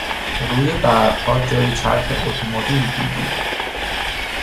روی برفها جای چرخ اتومبیل دیدیم.